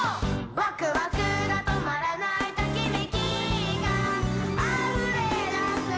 「わくわくがとまらない」「ときめきがあふれだす」